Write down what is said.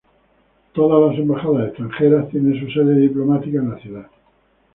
Todas las embajadas extranjeras tiene su sede diplomática en la ciudad.